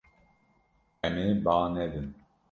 Em ê ba nedin.